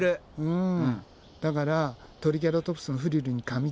うん。